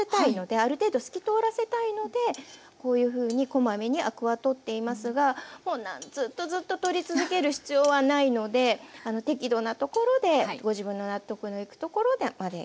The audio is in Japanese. ある程度透き通らせたいのでこういうふうにこまめにアクは取っていますがもうずっとずっと取り続ける必要はないので適度なところでご自分の納得のいくところまで取って下さい。